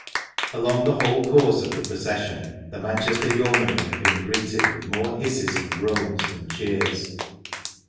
Along the whole course of the procession the Manchester Yeomanry had been greeted with more hisses and groans than cheers.